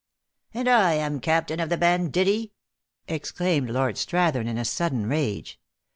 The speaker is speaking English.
" And I am captain of the banditti !" exclaimed lord Strathern, in a sudden rage.